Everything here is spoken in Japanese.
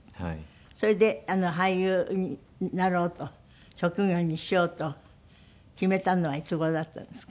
それで俳優になろうと職業にしようと決めたのはいつ頃だったんですか？